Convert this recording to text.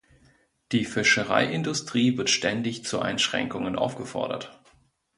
Die Fischereiindustrie wird ständig zu Einschränkungen aufgefordert.